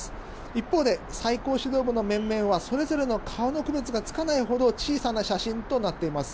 一方で最高指導部の面々はそれぞれの顔の区別がつかないほど小さな写真となっています。